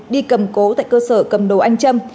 đi cầm cố tại cơ sở cầm đồ anh trâm